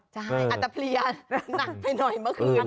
ใช่อาจจะเพลียหนักไปหน่อยเมื่อคืน